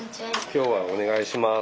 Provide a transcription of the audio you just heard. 今日はお願いします。